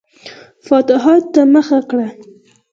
فتوحاتو ته مخه کړه.